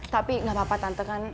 tapi gak apa apa tante kan